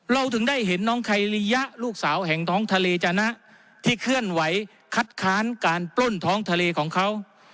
เราถึงได้เห็นน้องไคริยะลูกสาวแห่งท้องทะเลจนะที่เคลื่อนไหวคัดค้านการปล้นท้องทะเลของเขา